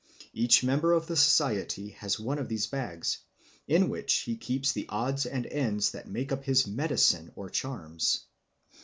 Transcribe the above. Each member of the society has one of these bags, in which he keeps the odds and ends that make up his "medicine" or charms.